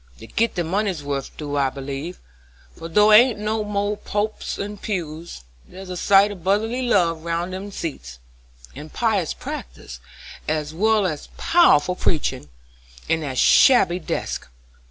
They git their money's wuth I do believe, for though there ain't no pulpits and pews, there's a sight of brotherly love round in them seats, and pious practice, as well as powerful preaching, in that shabby desk.